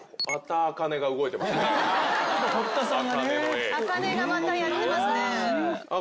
茜がまたやってますね。